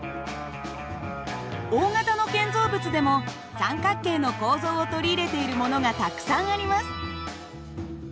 大型の建造物でも三角形の構造を取り入れているものがたくさんあります。